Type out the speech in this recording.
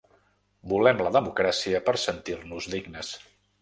Volem la democràcia per sentir-nos dignes.